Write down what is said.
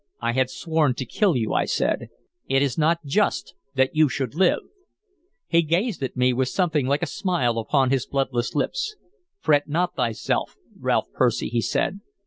"I had sworn to kill you," I said. "It is not just that you should live." He gazed at me with something like a smile upon his bloodless lips. "Fret not thyself, Ralph Percy," he said.